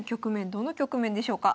どの局面でしょうか？